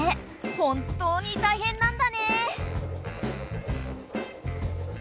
本当に大変なんだね！